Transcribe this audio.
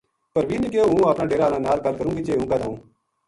پروین نے کہیو ہوں اپنا ڈیرا ہالا نال گل کروں گی جے ہوں کد آؤں